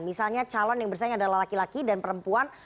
misalnya calon yang bersaing adalah laki laki dan perempuan